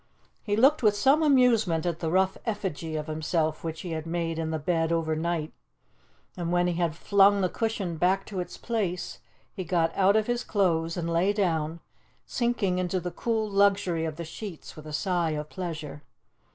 He looked with some amusement at the rough effigy of himself which he had made in the bed overnight, and when he had flung the cushion back to its place he got out of his clothes and lay down, sinking into the cool luxury of the sheets with a sigh of pleasure.